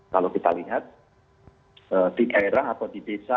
kalau kita lihat di daerah atau di desa